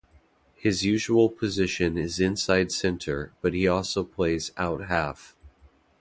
His usual position is inside centre, but he also plays out-half.